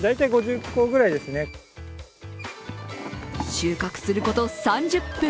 収穫すること３０分。